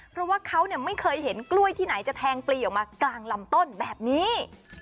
เพราะว่าเขาไม่เคยเห็นกล้วยที่ไหนจะแทงปลีออกมากลางลำต้นแบบนี้